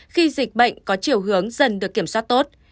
khi dịch bệnh có chiều hướng dần được kiểm soát tốt